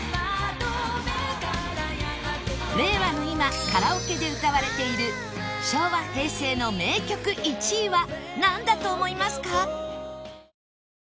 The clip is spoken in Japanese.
令和の今カラオケで歌われている昭和・平成の名曲１位はなんだと思いますか？